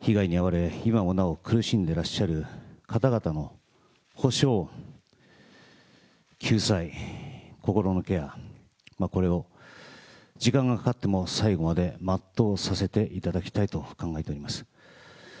被害に遭われ、今もなお苦しんでらっしゃる方々の補償、救済、心のケア、これを時間がかかっても最後まで全うさせていただきたいと考えております。